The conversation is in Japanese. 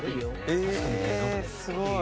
えすごい！